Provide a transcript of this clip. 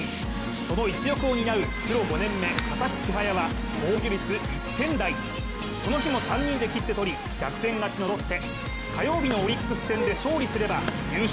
その一翼を担うプロ５年目、佐々木千隼は防御率１点台、この日も３人できってとり逆転勝ちのロッテ、火曜日のオリックス戦で勝利すれば優勝